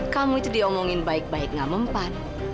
kamu itu diomongin baik baik nggak mempat